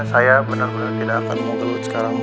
saya bener bener tidak akan mau gelut sekarang